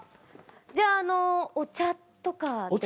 じゃあお茶とかで。